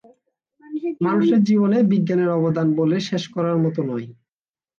মানুষের জীবনে বিজ্ঞানের অবদান বলে শেষ করার মত নয়।